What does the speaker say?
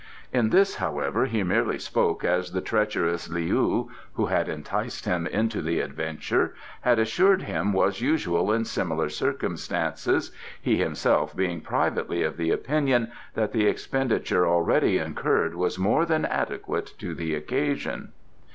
In this, however, he merely spoke as the treacherous Leou (who had enticed him into the adventure) had assured him was usual in similar circumstances, he himself being privately of the opinion that the expenditure already incurred was more than adequate to the occasion.